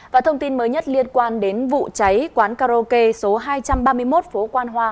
và thông tin mới nhất liên quan đến vụ cháy quán karaoke số hai trăm ba mươi một phố quan hoa